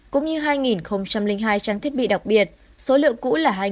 cũng như hai hai trang thiết bị đặc biệt số liệu cũ là hai mươi